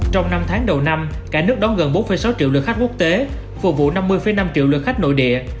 trong năm tháng đầu năm cả nước đón gần bốn sáu triệu lượt khách quốc tế phục vụ năm mươi năm triệu lượt khách nội địa